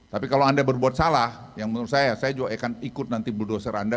tapi kalau anda berbuat salah yang menurut saya saya juga akan ikut nanti buldoser anda